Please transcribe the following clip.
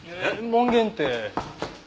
門限って？